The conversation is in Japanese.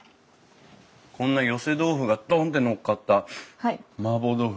こんな寄せ豆腐がドンってのっかった麻婆豆腐